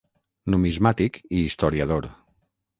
Numismàtic i historiador.